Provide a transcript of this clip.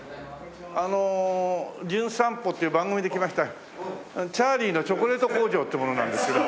あの『じゅん散歩』っていう番組で来ましたチャーリーのチョコレート工場っていう者なんですけど。